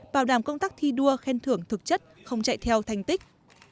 bảo đảm công tác thi đua khen thưởng thực chất không chạy theo thành tích